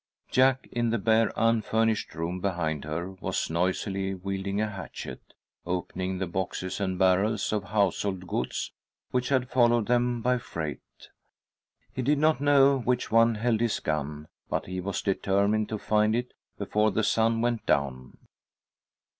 Jack, in the bare unfurnished room behind her, was noisily wielding a hatchet, opening the boxes and barrels of household goods which had followed them by freight. He did not know which one held his gun, but he was determined to find it before the sun went down.